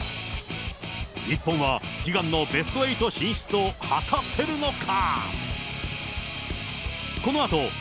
日本は悲願のベスト８進出を果たせるのか。